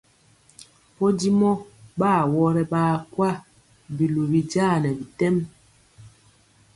Podimɔ ɓa awɔrɛ ɓaa kwa, biluwi jaa nɛ bitɛm.